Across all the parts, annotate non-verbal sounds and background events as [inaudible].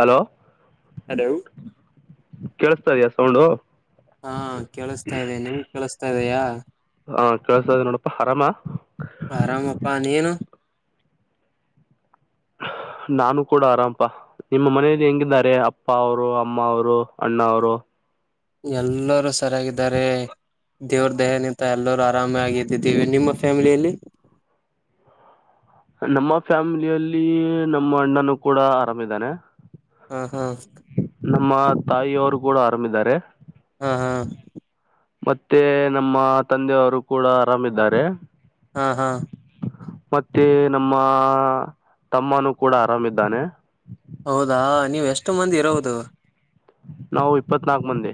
hello hello ಕೇಳಸ್ತ ಇದಯ sound ಹಾ ಕೇಳಿಸ್ತಾ ಇದೆ ನಿಮ್ ಕೇಳಸ್ತಾ ಇದೆಯಾ ಹಾ ಕೇಳಸದ ನೋಡಪಾ ಆರಾಮ ಆರಾಮಪ್ಪಾ ನೀನು ನಾನು ಕೂಡ ಆರಾಮಪ ನಿಮ್ಮ ಮನೆಯಲ್ಲಿ ಹೆಂಗಿದ್ದಾರೆ ಅಪ್ಪ ಅವರು ಅಮ್ಮ ಅವರು ಅಣ್ಣ ಅವರು ಎಲ್ಲರೂ ಸರಿಯಾಗಿದ್ದಾರೆ ದೇವ್ರ ದೆಹ ನಿಂತ ಎಲ್ಲರೂ ಆರಾಮಾಗ್ದಿದ್ದೀವಿ ನಿಮ್ಮ ಫ್ಯಾಮಿಲಿಯಲ್ಲಿ ನಮ್ಮ ಫ್ಯಾಮಿಲಿಯಲ್ಲಿ ನಮ್ಮ ಅಣ್ಣನು ಕೂಡ ಆರಾಮಿದಾನೆ ಹಾ ಹಾ ನಮ್ಮ ತಾಯಿಯವರು ಕೂಡ ಆರಾಮಿದ್ದಾರೆ ಹಾ ಹಾ ಮತ್ತೆ ನಮ್ಮ ತಂದೆಯವರು ಕೂಡ ಆರಾಮಿದ್ದಾರೆ ಹಾ ಹಾ ಮತ್ತೆ ನಮ್ಮ ತಮ್ಮನೂ ಕೂಡ ಆರಾಮಿದ್ದಾನೆ ಹೌದಾ ನೀವು ಎಷ್ಟು ಮಂದಿ ಇರೋದು ನಾವು ಇಪ್ಪತ್ನಾಾಕ ಮಂದಿ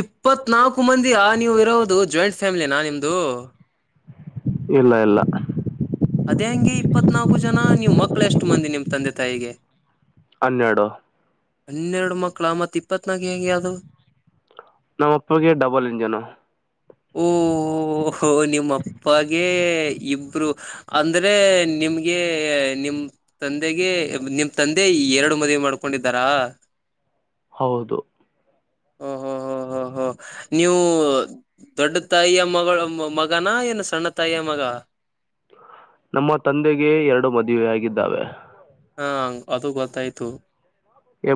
ಇಪ್ಪತ್ತ್ನಾಲ್ಕು ಮಂದಿಯ ನೀವು ಇರೋದು ಜಾಯಿಂಟ್ ಫ್ಯಾಮಿಲಿ ನಾ ನಿಮ್ದು ಇಲ್ಲ ಇಲ್ಲ ಅದೇ ಹೆಂಗೆ ಇಪ್ಪತ್ತ್ ನಾಲ್ಕು ಜನ ನೀವು್ ಮಕ್ಕಳ ಎಷ್ಟು ಮಂದಿ ನಿಮ್ ತಂದೆ ತಾಯಿಗೆ ಹನ್ನೆರಡು ಹನ್ನೆರಡು ಮಕ್ಕಳ ಮತ್ತ ಇಪ್ಪತ್ ನಾಗ ಹೇಗೆ ಯಾದು ನಮ್ಮ ಅಪ್ಪಿಗೆ ಡಬಲ್ ಇಂಜನ್ ಓಹೋ ನಿಮ್ಮಪ್ಪಾಗೆ ಇಬ್ರು ಅಂದ್ರೆ ನಿಮ್ಗೆ ನಿಮ್ ತಂದೆಗೆ ನಿಮ್ ತಂದೆ ಎರಡು ಮದುವ ಮಾಡ್ಕೊಂಡು ಕೊಂಡಿದ್ದಾರಾ ಹೌದು ಹಓ ಹ ಹ ಹ ಹ ನೀವು ದೊಡ್ಡ ತಾಯಿಯ ಮಗಳು ಮ ಮಗನಾ ಏನು ಸಣ್ಣ ತಾಯ ಮಗ ನಮ್ಮ ತಂದೆಗೆ ಎರಡು ಮದುವೆೆಯಾಗಿದ್ದಾವೆ ಹಾ ಅದು ಗೊತ್ತಾಯ್ತು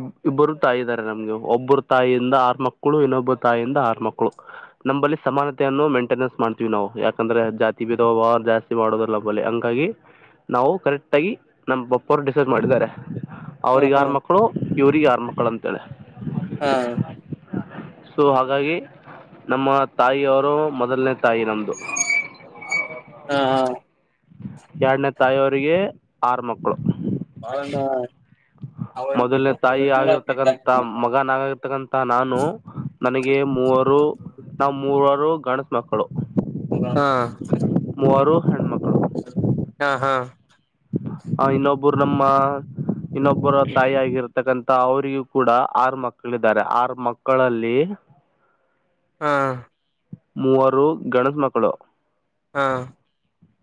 ಬ್ ಇಬ್ಬರು ತಾಯಿ ಇದ್ದಾರೆ ನಮ್ಗೆ ಒಬ್ಬರು ತಾಯಿಯಿಂದ ಆರ್ ಮಕ್ಳು ಇನ್ನೊಬ್ಬರು ತಾಯಿಯಿಂದ ಆರ್ ಮಕ್ಳು ನಂಬಲ್ಲಿ ಸಮಾನತೆಯನ್ನು ಮೇಂಟೆನೆನ್ಸ್ ಮಾಡ್ತೀವಿ ನಾವು ಯಾಕಂದ್ರೆ ಜಾತಿ ಬೀದ ವ ಜಾಸ್ತಿ ಮಾಡೋದಲ್ಲ ಬ ಹಾಗಿ ನಾವು ಕರೆಕ್ಟ್ ಆಗಿ ನಮ್ಮ ಬಪ್ಪರು ಡಿಸಸ್ ಮಾಡಿದ್ದಾರೆ ಹ್ಮ್ ಹ್ಮ್ ಇವಿಗೆ ಯಾರ ಮಕ್ಕಳು ಅಂತೇಳ ಹಾ ಸೊ ಹಾಗಾಗಿ ನಮ್ಮ ತಾಯಿಯವರು ಮೊದಲನೇ ತರ್ದು ಎರಡನೇ ತಾಯಿಯ ಅವರಿಗೆ ಆರು ಮಕ್ಕಳು ಮೊದಲ್ನೇ ತಾಯಿ ಆಗಿರ್ತಕ್ಕಂತ ಮಗನ ಆಗಾಗಿರ್ತ ಇತಕ್ಕಂತ ನಾನು ನನಗೆ ಮೂವರು ನಾ ಮೂರರು ಗಣಸ ಮಕ್ಕಳು ಹಾ ಅವರು ಹೆಣ್ಮ ಹಾ ಹಾ ಹ ಇನ್ನೊಬ್ಬರು ನಮ್ಮ ಇನ್ನೊಬ್ಬರ ತಾಯಿ ಆಗಿರ್ತಕ್ಕಂ ಅವರಿಗೂ ಕೂಡ ಆರು ಮಕ್ಕಳಾರೆ ಆರು ಮಕ್ಕಳಲ್ಲಿ ಹಾ ಮೂವರು ಗಣೇಶ ಮಕ್ಕಳು ಹಾ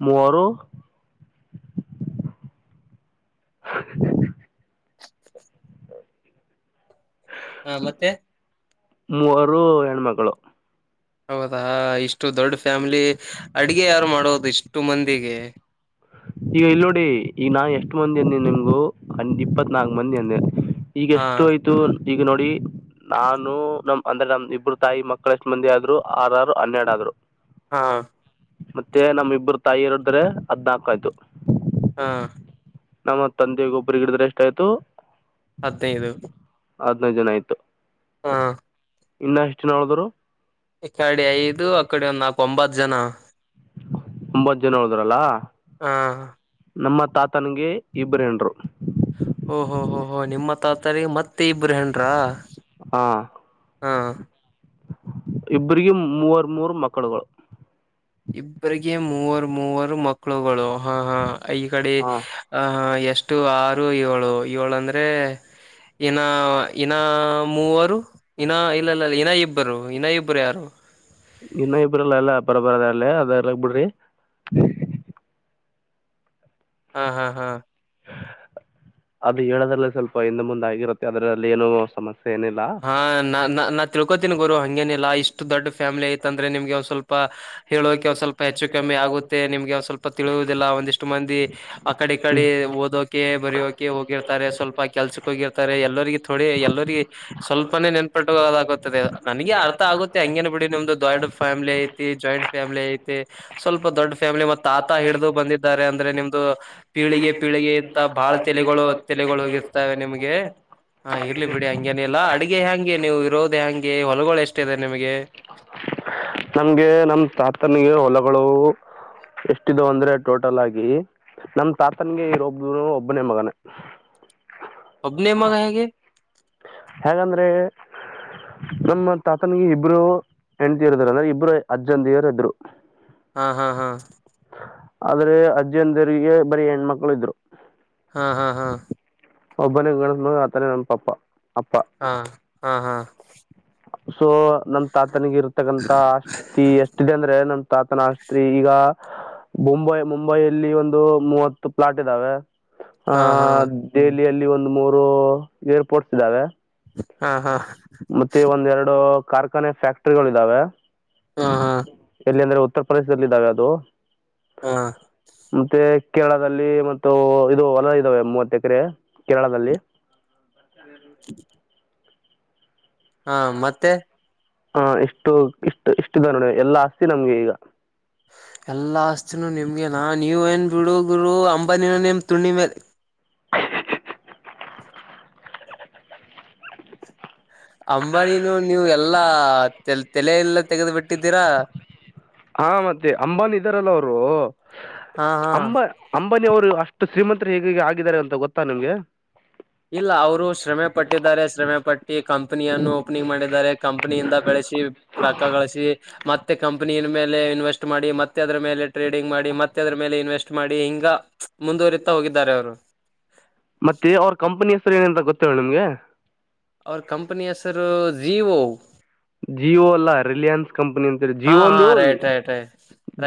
ಮರುೋ ಹ ಹಾ ಮತ್ತೆ ಮೂವರು ಹೆಣ್ಮಕ್ಕಳು ಹೌದಾ ಇಷ್ಟು ದೊಡ್ಡ ಫ್ಯಾಮಿಲಿ ಅಡಗೆ ಯಾರು ಮಾಡೋದು ಇಷ್ಟು ಮಂದಿಗೆ ಈಗ ಇಲ್ ನೋಡಿ ಈಗ ನಾ ಎಷ್ಟು ಮಂದಿ ಅಂದೇ ನಿಮ್ಗು ಇಪ್ಪತ್ ನಾಲ್ಕು ಮಂದಿ ಅಂದೆ ಈಗ ಹಾ ಎಷ್ಟು ಆಯ್ತು ಈಗ ನೋಡಿ ನಾನು ನಮ ಒಂದ್ರೆ ನಮ್ ಇಬ್ಬರು ತಾಯಿ ಮಕ್ಕಳ ಎಷ್ಟ್ ಮಂದಿ ಆದ್ರು ಆರರು ಹನ್ನೆರಡ್ ಆದ್ರು ಹಾ ಮತ್ತೆ ನಮ ಇಬ್ಬ್ರ ತಾಯಿ ಇರಿದ್ರೆ ಹದ್ನಾಕು ಆಯ್ತು ಹಾ ನಮ್ಮ ತಂದೆ ಒಬ್ರ ಗಿಡಿದ್ರೆ ಎಷ್ಟ ಆಯ್ತು ಹದಿನೈದು ಹದ್ನೈದು ಜನ ಆಯ್ತು ಹಾ ಇನ್ನ ಎಷ್ಟ ನಾಳಿದ್ರು ಇಕಡೆ ಐದು ಅಕಡೆ ಒಂದು ನಾಕ ಒಂಬತ್ತು ಜನ ಒಂಬತ್ ಜನ ಹಳಿದ್ರಲ್ಲ ಹಾ ನಮ್ಮತ್ ತಾತನಗೆ ಇಬ್ರೇನ್ರು ಓಹ ಹೋ ಹೋ ನಿಮ್ಮ ತಾತರಿ ಮತ್ತೆ ಇಬ್ಬರು ಹೆಏನ್ರಾ ಹಾ ಹಾ ಇಬ್ರಗ ಮೂವರ್ ಮೂರು ಮಕ್ಕಳುಗಳು ಇಬ್ರರಿಗೆ ಮೂವರು ಮೂವರು ಮಕ್ಕಳುಗಳು ಹಾ ಹಾ ಈ ಕಡೆ ಹಾಂ ಆಹ ಎಷ್ಟು ಆರು ಏಳು ಏಳು ಅಂದ್ರೆ ಇನ್ನ ಇನ್ನ ಮೂವರು ಇನ್ನ ಇಲ್ಲ ಇ ಇ ಇನ್ನ ಇಬ್ಬರು ಇನ್ನ ಇಬ್ಬರು ಯಾರು ಇನ್ನುೂ ಇಬ್ರಲ್ಲ ಎಲ್ಲ ಪರಬರದ ಅಲ್ಲ ಅದರಗ್ ಬಿಡ್ರಿ ಹಾ ಹಾ ಹಾ ಅದು ಹೇಳೋದ್ರಲ್ಲ ಸ್ವಲ್ಪ ಇಂದ ಮುಂದೆ ಆಗಿರುತ್ತೆ ಅದ್ರಲ್ಲಿ ಏನು ಸಮಸ್ಯೆ ಏನಿಲ್ಲ ಹಾ ನಾ ನಾನ್ ತಿಳ್ಕೋತೀನಿ ಗೋರು ಹಂಗೇನಿಲ್ಲ ಇ ದೊಡ್ ಫ್ಯಾಮಿಲಿ ಐತ ಅಂದ್ರೆಮಗೆ ಒಸ್ವಲ್ಪ ಹೇಳೋಕೆ ಒ ಸ್ವಲ್ಪ ಹೆಚ್ಚು ಕಮ್ಮಿ ಆಗುತ್ತೆ ನಿಮ್ಗೆ ಒ ಸ್ವಲ್ಪ ತಿಳಿಯುವುದಿಲ್ಲ ಒಂದಿಷ್ಟು ಮಂದಿ ಆಡೆ ಕಡೆ ಕಡೆ ಓದೋಕೆ ಬರಯಕೆ ಹೋಗಿರ್ತಾರೆ ಸ್ವಲ್ಪ ಕೆಲ್ಸಕ್ ಹೋಗಿರ್ತಾರೆ ಎಲ್ಲರಿಗೆ ಥೋಡೆ ಎಲ್ಲರಿಗೆ ಸ್ವಲ್ಪನೇ ನೆನ್ಪಟ್ಟು ಹೋದಾಗುತ್ತದೆ ನನಗೆ ಅರ್ಥ ಆಗುತ್ತೆ ಹಂಗೇನ ಬಿಡಿ ನಿಮ್ದು ದೊಡ್ ಫ್ಯಾಮಿಲಿ ಐತಿ ಜಾಯಿಂಟ್ ಫ್ಯಾಮಿಲಿ ಐತೆ ಸ್ವಲ್ಪ ದೊಡ್ಡ ಫ್ಯಾಮಿಲಿ ಮತ್ತ ಆತ ಹಿಡಿದು ಬಂದಿದ್ದಾರೆ ಅಂದ್ರೆ ನಿಮ್ದು ಪೀಳಿಗೆ ಪೀಳ ಇಂತ ಬಾಳ ತೆಗಳು ತೆಲೆಗಳು ಹೋಗಿರ್ತವೆ ನಿಮಗೆ ಇರ್ಲಿ ಬಿಡಿ ಹಗೆ ಹಾ ಅಡ್ಗೆ ಹೆಯಾಂಗೆ ನೀವು ಇರೋದು ಹೆಯಾಂಗೆ ಹೊಲಗಳು ಎಷ್ಟಿದೆ ನಿಮಗೆ ನಮ್ಗೆ ನಮ್ ತಾತನಿಗೆ ಹೊಲಗಳು ಎಷ್ಟಿದು ಅಂದ್ರೆ ಟೋಟಲ್ ಆಗಿ ನಮ ತಾತನ್ಗೆ ಇರೊಬ್ರು ಒಬ್ಬನೇ ಮಗನ ಒಬ್ಬನ್ ಮಗೆಗೆ ಹೇಗಂದ್ರೆ ನಮ್ಮ ತಾತನಿಗೆ ಇಬ್ರು ಹೆಂಡತಿಯರು ಇದರು ಅಂದ್ರೆ ಇಬ್ರು ಅಜ್ಜಂತಿಯರು ಇದ್ರು ಹಾ ಹಾ ಹಾ ಆದ್ರೆ ಅಜ್ಜಿನ್ ದರಿಗೆ ಬರಿ ಹೆಣ್ಮಕ್ಳು ಇದ್ರು ಹಾ ಹಾ ಹಾ ಒಬ್ಬನೇ ಗ ಆತನೇ ನನ್ನ ಪಾಪ್ಪ ಹಾ ಹಾ ಹಾ ಸೊ ನಮ ತಾತನಿಿಗೆ ಇರ್ತಕ್ಕಂತ ಆಸ್ತಿ ಎಷ್ಟಿದೆ ಅಂದ್ರೆ ನಮ ಾತನಸ್ತ್ರಿ ಈಗ ಮುಂಬೈ ಮುಂಬೈಲ್ಲಿ ಒಂದು ಮೂವತ್ತು ಪ್ಲಾಟ್ ಇದ್ದಾವೆ ಹಾ ಹಾ ಆಹ ದೆಹಲಿಯಲ್ಲಿ ಒಂದ್ ಮೂರು ಏರ್ಪೋರ್ಟ್ಸ್ ಇದ್ದಾವೆ ಹಾ ಹಾ ಒಂದ ಎರಡು ಕಾರ್ಖಾನೆ ಫ್ಯಾಕ್ಟರಿಗಳು ಇದ್ದಾವೆ ಹಾ ಎಲ್ಲಿ ಅಂದ್ರೆ ಉತ್ತರ ಪ್ರದೇಶದಲ್ಲಿ ಇದಿದ್ದಾವೆ ಅದು ಹಾ ಮತ್ತೆ ಕೇರಳದಲ್ಲಿ ಮತ್ತು ಇದು ಹೊಲ್ಲ ಇದ್ದಾವೆ ಮೂವತ್ತ ಎಕರೆ ಕೇರಳದಲ್ಲಿ [inaudible] ಹಾ ಮತ್ತೆ ಹಾ ಇಷ್ಟು ಇಷ್ಟ ಇಷ್ಟಿದೆ ನೋಡಿ ಎಲ್ಲಾ ಆಸ್ತಿ ನಮ್ಗೆ ಈಗ [inaudible] ಎಲ್ಲ ಆಸ್ತಿನೂ ನಿಮಗೆ ನಾ ನೀವ ಏನು ಬಿಡುಗರು ಅಂಬನಿನ ನಿಮ್ಮ ತುಂಡಿ ಮೇಲೆ [inaudible] ಅಂಬಾನಿನನು ನೀವು ಎಲ್ಲಾ ತಲ ಎಲ್ಲ ತೆಗೆದು ಬಿಿಟ್ಟು ಹಾ ಮತ್ತೆ ಅಂಬಾನಿ ಇದಾರಲ್ಲ ಅವರು ಹಾ ಹಾ ಅಂಬ ಅಂಬಾನಿ ಅವರು ಅಷ್ಟು ಶ್ರೀಮಂತರು ಹೇಗೆ ಆಗಿದ್ದಾರೆ ಅಂತ ಗೊತ್ತಾ ನಿಮ್ಗೆ ಇಲ್ಲ ಅವರು ಶ್ರಮೆ ಪಟ್ಟಿದ್ದಾರೆ ಶ್ರಮೆ ಪಟ್ಟಿ ಕಂ ಕಂನಿಯನ್ನು ಓಪನಿಂಗ್ ಮಾಡಿದ್ದಾರೆ ಕಂಪನಿಯಿಂದ ಬೆಳೆಸಿ ರಕ್ಕ ಗಳಸಿ ಮತ್ತೆ ಕಂಪನಿಯ ಮೇಲೆ ಇನ್ವೆಸ್ಟ್ ಮಾಡಿ ಮತ್ತೆ ಅದ್ರ ಮೇಲೆ ಟ್ರೇಡಿಂಗ್ ಮಾಡಿ ಮತ್ತೆ ಅದ್ರ ಮೇಲೆ ಇನ್ವೆಸ್ಟ್ ಮಾಡಿ ಹಿಂಗ ಮುಂದುವರಿತಾ ಹೋಗಿದ್ದಾರೆ ಅವರು ಮತ್ತೆ ಅವ್ರ ಕಂಪನಿ ಹೆಸರು ಏನ ಅಂತ ಗೊತ್ತೇವ ನಿಮ್ಗೆ ಅವ್ರ ಕಂಪನಿಯ ಸರ್ ಜೀವೋ ಜಿಯೋ ಅಲ್ಲ ರಿಲಯನ್ಸ್ ಕಂಪನಿ ಅಂತೇಳಿ ಹಾ ಜಿಯೋ ಹಾ ಒಂದು ರೇಟ್ ರೇಟ್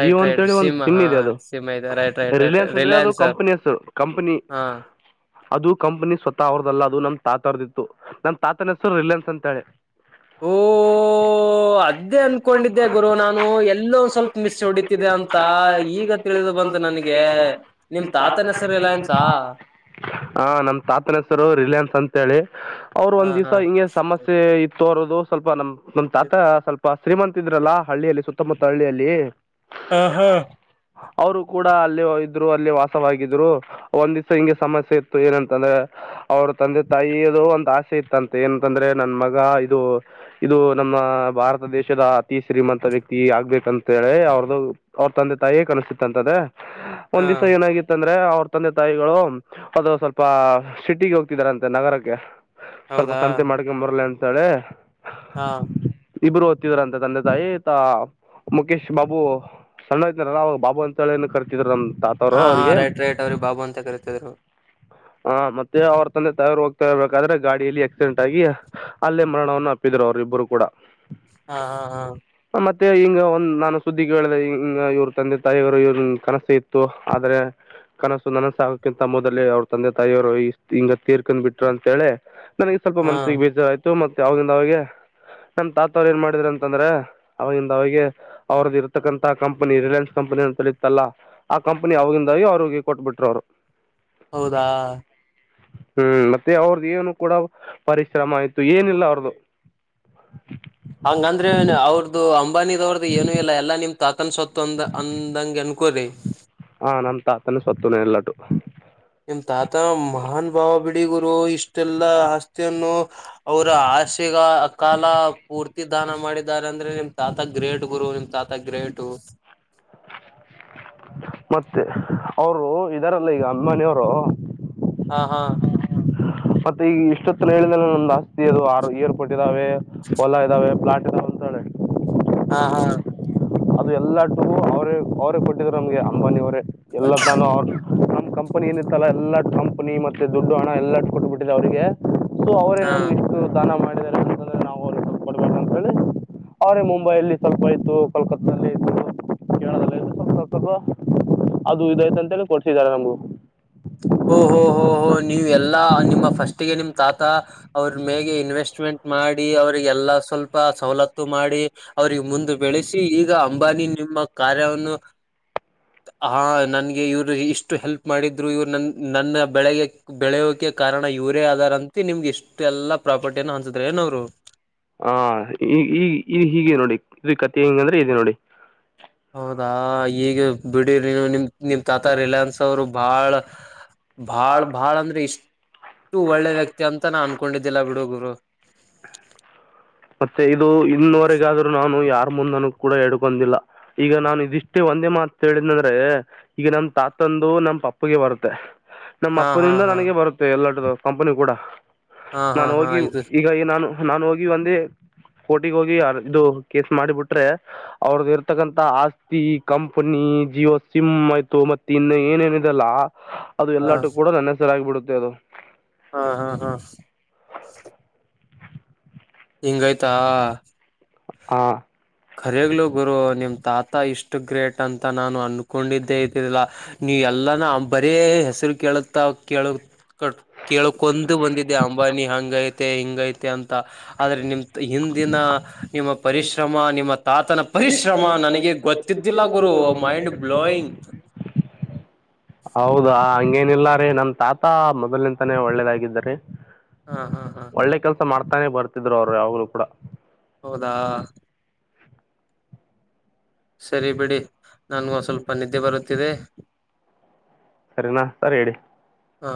ಜಿಯೋ ರೈಟ್ ಅಂತೇಳಿ ಒಂದು ಸಿಮ್ ಹಾ ಇದೆ ಅದು ಸಿಮ್ ಐದೆ ರೈಟ್ ರೈಟ್ ರೈಟ್ ರಿಲಯನ್ಸ್ ಅಂದರೆ ಅದು ರಿಲಯನ್ಸ್ರ್ ಕಂಪನಿ ಹೆಸರು ಕಂಪನಿ ಹಾ ಅದು ಕಂಪ್ನಿ ಸ್ವತ ಅವ್ರದಲ್ಲ ಅದು ನಮ್ ತಾತಡ್ದಿತ್ತು ನಮ್ ತಾತನ ಹೆಸರು ರಿಲಯನ್ಸ್ ಅಂತ ಹೇಳೆ ಓ ಅದೇ ಅನ್ಕೊಂಡಿದ್ದೆ ಗುರು ನಾನು ಎಲ್ಲೋ ಒಂದ್ ಸ್ವಲ್ಪ ಮಿಸ್ ಹೊಡಿತಿದೆ ಅಂತ ಈಗ ತಿಳಿದ್ ಬಂತು ನನಗೆ ನಿಮ್ ತಾತನ ಹೆಸರಿ ಲಯನ್ಸಾ ಹ ನಮ್ ತಾತನ ಹೆಸರು ರಿಲಯನ್ಸ್ ಅಂತೆ ಹೇಳಿ ಅವರು ಹಾ ಒಂದ್ ಹಾ ದಿವ್ಸ ಹಿಂಗೆ ಸಮಸ್ಯೆ ಇತ್ತು ಅರೋದು ಸ್ವಲ್ಪ ನಮ್ ನಮ್ ತಾತ ಸ್ವಲ್ಪ ಪ ಶ್ರೀಮಂತತ್ ಇದ್ರಲ್ಲ ಹಳ್ಳಿಯಲ್ಲಿ ಸುತ್ತಮುತ್ತ ಹಳ್ಳಿಯಲ್ಲಿ ಹ ಹಾ ಅವರು ಕೂಡ ಅಲ್ಲಿ ಇದ್ರು ಅಲ್ಲಿ ವಾಸವಾಗಿದ್ರು ಒಂದ್ ದಿವಸ ಹಿಂಗೆ ಸಮಸ್ಯೆ ಇತ್ತು ಏನಂತಂದ್ರೆ ಅವ್ರ ತಂದೆ ತಾಯಿಯದು ಒಂದ್ ಆಸೆ ಇತ್ತಂತೆ ಏನಂತಂದ್ರೆ ನನ್ ಮಗ ಇದು ಇದು ನಮ್ಮ ಭಾರತ ದೇಶದ ಅತಿ ಶ್ರೀಮಂತ ವ್ಯಕ್ತಿ ಆಗ್ಬೇಕಂತೆ ಅವ್ರದು ಅವ್ರ ತಂದೆ ತಾಯೇ ಕನಸ್್ತಿತ್ತ ಅಂತದ ಹಾ ಒಂದ್ ದಿವಸ ಏನಾಗಿತ್ತ ಅಂದ್ರೆ ಅವ್ರ ತಂದೆ ತಾಯಿಗಳು ಅದು ಸ್ವಲ್ಪ ಸಿಟಿಗೆ ಹೋಗ್ತಿದಾರಂತೆ ನಗರಕ್ಕೆ ಸ್ವಲ್ಪ ಹೌದಾ ಸಂತೆ ಮಾಡ್ಕೊ ಬರ್ಲಿ ಅಂತಳೆ ಹಾ ಇಬ್ರು ಓದ್ತಿದ್ರಂತೆ ತಂದೆ ತಾಯಿ ತ ಮು ಮುಕೇಶ್ ಬಾಬು ಸಣ್ಣದ ಇದ್ನ ಅವಾಗ ಬಾಬು ಅಂತ ಹೇಳ ಏ ಕರ್ತಿದ್ ನಮ್ದು ಹಾ ಹಾ ರೈಟ್ ರೈಟ್ ಅವ್ರಿ ಬಾಬು ಅಂತ ಕರತಿದ್ರು ಹಾ ಮತ್ತೆ ಅವ್ರ ತಂದೆ ತಯಾರು ಹೋಗ್ತಾ ಇರ್ಬೇಕಾದ್ರೆ ಗಾಡಿಯಲ್ಲಿ ಆಕ್ಸಿಡೆಂಟ್ ಆಗಿ ಅಲ್ಲೇ ಮರಣವನ್ನು ಪ್ಪಿದರು ಅವರು ಇಬ್ಬರು ಕೂಡ ಹಾ ಹಾ ಹಾ ಮತ್ತೆ ಈಂಗ ಒಂದ್ ನಾನು ಸುದ್ದಿ ಕೇಳಿದ ಹ ಇವ್ರ ತಂದೆ ತಾಯಿಯವರು ಇವ್ರ ಕನಸ ಇತ್ತು ಆದ್ರೆ ಕನಸು ನನಸಾಗಕಕಿಂತ ಮೊದದಲ್ಲಿ ಅವ್ರ ತಂದೆ ತಾಯಿಯವರು ಹಿಂಗ ತೀರ್ಕೊಂಡ್ ಬಿಟ್ರು ಅಂತ ಹೇಳಿ ನನಗೆ ಸ್ವಲ್ಪ ಹಾ ಮನ್ಸಿಗೆ ಬೀಜ ಆಯ್ತು ಮ ಅವವಾಗಿಂದ ಅವಿಗೆ ನನ್ ತಾತ ಅವ್ರು ಏನ್ ಮಾಡಿದಿದ್ದಾರೆ ಅಂತಂದ್ರೆ ಅವವಾಗಿಂದ ಅವಿಗೆ ಅವ್ರ್ದು ಇರ್ತಕ್ಕಂತಹ ಕಂಪನಿ ರಿಲಯನ್ಸ್ ಕಂಪನಿ ಅಂತೇಳಿ ಇತ್ತಲ್ಲ ಆ ಕಂಪನಿ ಅವಗಿಂದಾಗೆ ಅವ್ರುಅವ್ರಿಗೆ ಕೊಟ್ಬಿಟ್ರು ಅವ್ರು ಹೌದಾ ಹ್ಮ್ ಮತ್ತೆ ಅವ್ರ್ದ ಏನು ಕೂಡ ಪರಿಶ್ರಮ ಆಯ್ತು ಏನಿಲ್ಲ ಅವ್ರದುು ಹಂಗಂದ್ರೆ ಅವ್ರದ್ದು ಅಂಬಾನಿಿದವ್ರದು ಏನುೂ ಇಲ್ಲ ಎಲ್ಲಾ ನಿಮ್ ತಾತನ್ ಸೊತ್ ಅಂದ ಜ್ಞಾನ ಕ ಹ ಅಡಿಗುರು ಇಷ್ಟೆಲ್ಲಾ ಆಸ್ತಿಯನ್ನು ಅವರು ಆಸೆಗ ಕಾಲ ಪೂರ್ತಿ ದಾನ ಮಾಡಿದ್ದಾರೆ ಅಂದ್ರೆ ನಿಮ ತಾತ ಗ್ರೇಟ್ ಗುರು ನಿಮ್ ತಾತ ಗ್ರೇಟ್ ಮತ್ತೆ ಅವರು ಇದಾರಲ್ಲ ಈಗ ಅಂಬಾನಿಯವರು ಹಾ ಹಾ ಮತ್ತೆ ಈಗ ಇಷ್ಟೊತ್ತನ ಹೇಳಿದನಲ ಆಸ್ತಿರೊದು [inaudible] ಆರು ಏರ್ಪೋರ್ಟ್ ಇದ್ದಾವೆ ಓಲಾ ಇದಾವೆ ಪ್ಲಾಟ್ ಂತಳೆ [inaudible] ಹಾ ಹಾ ಅದು ಎಲ್ಲಾದ್ಕುನು ಅವ್ರೇ ಅವ್ರೇ ಕೊಟ್ಟಿದ್ರು ನಮ್ಗೆ ಅಂಬಾನಿವರೇ ಎಲ್ಲ ತಾನು ಅವ್ರ್ ನಮ್ ಕಂಪನಿ ಏನಿತ್ತಲ್ಲ ಎಲ್ಲಾ ಕಂಪ್ನಿ ಮತ್ತೆ ದುಡ್ಡು ಹಣ ಎಲ್ಲಾ ಕೊಟ್ಬಿಟ್ಟಿದೆ ಅವ್ರಗೆ ಸೊ ಅವ್ರೆ ಹಾ ನಮ್ಗೆ ಇಷ್ಟು ದಾನ ಮಾಡಿ ಬೇರೆ ಹೋದ್ರೆ ನಾವು ಅವ್ರುಗ್ ದುಡ್ ಕೊಡ್ಬೇಕಂತೇಳಿ ಅವ್ರೇ ಮುಂಬೈಲ್ಲಿ ಸ್ವಲ್ಪ ಇದ್ದು ಕಲ್ಕತ್ತಲ್ಲಿ ೇಳ [inaudible] ಸ್ವಲ್ಪ ಸ್ವಲ್ಪ ಅದು ಇದಾಯ್ತ ಅಂತ ಕೊಡ್ತಿದ್ದಾರೆ ನಮಗು ಓಹೊ ಹೋ ನೀವೆಲ್ಲಾ ನಿಮ್ಮ ಫಸ್ಟ್ಗೆ ನಿಮ್ ತಾತ ಅವ್ರ ಮೇಗೆ ಇನ್ವೆಸ್ಟ್ಮೆಂಟ್ ಮಾಡಿ ಅವ್ರಿಗೆಲ್ಲಾ ಸ್ವಲ್ಪ ಸವಲತ್ತು ಮಾಡಿ ಅವ್ರಿಗೆ ಮುಂದೆ ಬೆಳೆಸಿ ಈಗ ಅಂಬಾನಿ ನಿಮ್ಮ ಕಾರ್ಯವನ್ನು ಆ ನನ್ಗೆ ಇವ್ರು ಇಷ್ಟು ಹೆಲ್ಪ್ ಮಾಡಿದ್ರು ಇವರು ನನ್ ನನ್ನ ಬೆಳೆಗೆ ಬೆಳೆಯೋಕೆ ಕಾರಣ ಇವರೇ ಆದಾರಂತ ನಿಮ್ಗೆ ಇಷ್ಟ್ ಹಾ ಈ ಈ ಈ ಹೀಗೆ ನೋಡಿ ಇಕತಿ ಹೇಳೊದಂದ್ರೆ ಇದೆ ನೋಡಿ ಹೌದಾ ಈಗ ಬಿಡಿರಿ ನಿನ್ ನಿಮ್ ತಾತ ರಿಲಯನ್ಸ್ ಅವರು ಬಾಹ್ಳ ಬಾಳ್ ಬಾಳ್ ಅಂದ್ರೆ ಇಷ್ಟ್ ಇಷ್ಟು ಒಳ್ಳೆ ವ್ಯಕ್ತಿ ಅಂತ ನಾ ಅನ್ಕೊಂಡಿದ್ದಿಲ್ಲ ಬಿಡುಗುರು ಮತ್ತೆ ಇದು ಇನ್ ವರೆಗಾದ್ರುನು ನಾನು ಯಾರ್ ಮುಂದನು ಕೂಡ ಹೇಡ್ಕೊಂದಿಲ್ಲ ಈಗ ನಾನು ಇದಿಷ್ಟೇ ಒಂದ್ ಒಂದೆ ಮಾತ್ ಹೇಳಿದ್ನಂದ್ರೆ ಈಗ ನಮ್ ತಾತಂದು ನಮ್ ಪಪ್ಪಗೆ ಬರುತ್ತೆ ನಮ್ಮ ಹಾ ಹಾ ಅಪ್ಪನಿಂದ ಹಾ ನನಗೆ ಬರುತ್ತೆ ಎಲ್ಲದುವೆ ಕಂಪನಿ ಕೂಡ ಹಾ ಹಾ ನಾನ್ ಹಾ ಹೋಗಿ ಇದು ಈಗ ಈ ನಾನು ನಾನು ಹೋಗಿ ಒಂದೇ [unintelligible] ಕೋರ್ಟಿಗೆ ಹೋಗಿ ಆರ್ ಇದು ಕೇಸ್ ಮಾಡಿಬಿಟ್ರೆ ಅವ್ರ್ದ ಇರ್ತಕ್ಕಂತ ಆಸ್ತಿ ಕಂಪನಿ ಜಿಯೋ ಸಿಮ್ ಆಯ್ತು ಮತ್ತೆ ಇನ್ನೂ ಏನೇನಿದಯಲ್ಲ ಅದು ಎಲ್ಲಾಟು ಕೂಡ ನನ್ನ ಹೆಸರ ಆಗಿಬಿಡುತ್ತೆ ಅದು ಹಾಹಾ ಹಾ ಹಿಂಗಯ್ತಾ ಹಾ ಕರೆಗ್ಲು ಗುರು ನಿಮ್ ತಾತ ಇಷ್ಟು ಗ್ರೇಟ್ ಅಂತ ನಾನು ಅನ್ಕೊಂಡಿದ್ದೆ ಇದಿಲ್ಲ ನೀ ಎಲ್ಲಾನ ಬರೀ ಹೆಸ್ರು ಕೇಳುತ್ತವ್ ಕೇಳ್ ಕೇಳ್ಕೊಂಡ್ ಬಂದಿದೆೆ ಅಂಬಾನಿ ಹಂಗ ಐತೆ ಹಿಂಗ ಐತೆ ಅಂತ ತ ಆದ್ರೆ ನಿಮ್ ಪ್ರಿ ಹಿಂದಿನ ನಿಮ್ಮ ಪರಿಶ್ರಮ ಮ್ಮ ನಿಮ್ಮ ತಾತನ ಪರಿಶ್ರಮ ನನಗೆ ಗೊತ್ತಿದ್ದಿಲ್ಲ ಗುರು ಮೈಂಡ್ ಬ್ಲೋಯಿಂಗ್ [unintelligible] ಹೌದಾ ಹಂಗೇನಿಲ್ಲ ರೀ ನನ್ ತಾತ ಮೊದಲಂತಾನೇ ಒಳ್ಳೇದಾಗಿದ್ ರಿ ಹಾಹಾ ಹಾ ತನೆ ಬರ್ತಿದ್ರು ಅವರು ಯಾವಾಗಲು ಕೂಡ ಹೌದಾ ಸರಿ ಬಿಡಿ ನಾನಗ ಸ್ವಲ್ಪ ನಿದ್ದೆ ಬರುತ್ತಿದೆ ಸರಿನಾ ಸರಿ ಹೇಳಿ ಹಾ